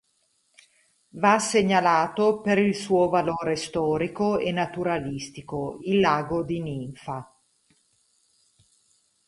Va segnalato, per il suo valore storico e naturalistico il Lago di Ninfa.